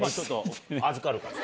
預かるから。